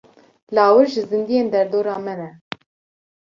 Lawir ji zindiyên derdora me ne.